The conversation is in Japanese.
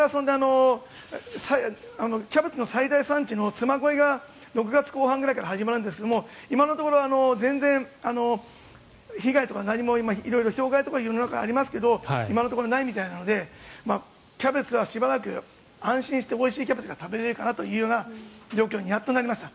キャベツの最大産地のつまごいが６月後半ぐらいから始まりますが今のところは全然被害とか何もひょう害とか色々ありますが今のところないみたいなのでキャベツはしばらく安心しておいしいキャベツが食べれるかなという状況にやっとなりました。